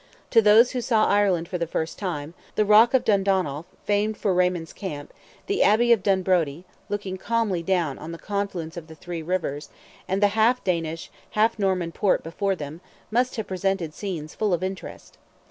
To those who saw Ireland for the first time, the rock of Dundonolf, famed for Raymond's camp, the abbey of Dunbrody, looking calmly down on the confluence of the three rivers, and the half Danish, half Norman port before them, must have presented scenes full of interest.